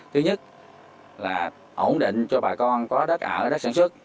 thứ nhất là ổn định cho bà con có đất ở đất sản xuất